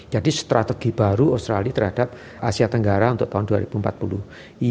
jadi strategi baru australia terhadap asia tenggara untuk tahun dua ribu empat puluh